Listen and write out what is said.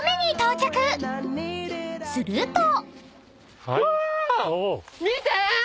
［すると］